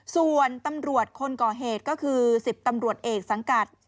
ส่วนตำรวจคนก่อเหตุก็คือ๑๐ตำรวจเอกสังกัด